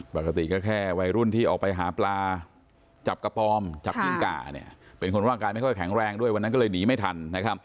ปกติก็แค่วัยรุ่นที่ออกไปหาปลาจับกระปอมจับกิ้งก่าเนี่ยเป็นคนร่างกายไม่ค่อยแข็งแรงด้วยวันนั้นก็เลยหนีไม่ทันนะครับ